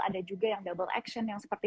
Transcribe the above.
ada juga yang double action yang seperti